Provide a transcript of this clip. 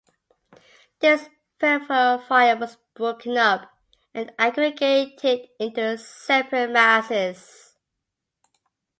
This peripheral fire was broken up and aggregated into separate masses.